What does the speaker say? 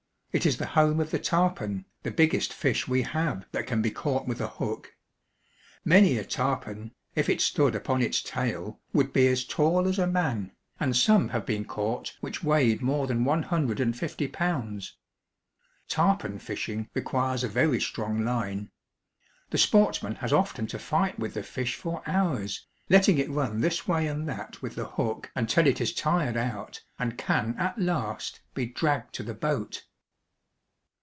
It is the home of the tarpon, the biggest fish we have that can be caught with a hook. Many a tarpon, if it stood upon its tail, would be as tall "'/■ A Pelican. ORANGE ORCHARDS. 133 as a man, and some have been caught which weighed more than one hundred and fifty pounds. Tarpon fishing re quires a very strong Hne. The sportsman has often to fight with the fish for hours, letting it run this way and that with the hook until it is tired out and can at last be dragged to the boat.